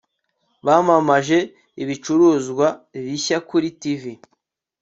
Bamamaje ibicuruzwa bishya kuri TV